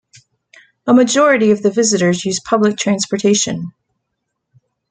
A majority of the visitors use public transportation.